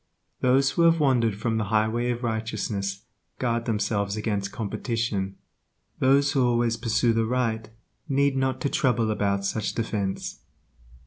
Those who have wandered from the highway of righteousness guard themselves against competition; those who always pursue the right need not to trouble about such defense.